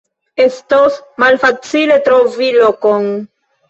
Estos malfacile trovi lokon.